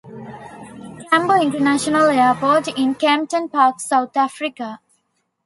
Tambo International Airport in Kempton Park South Africa.